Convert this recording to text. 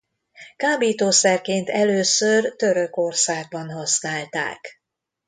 Kábítószerként először Törökországban használták.